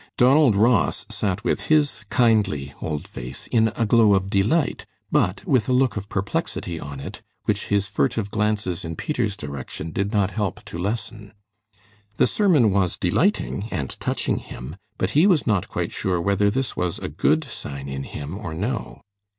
Donald Ross sat with his kindly old face in a glow of delight, but with a look of perplexity on it which his furtive glances in Peter's direction did not help to lessen. The sermon was delighting and touching him, but he was not quite sure whether this was a good sign in him or no.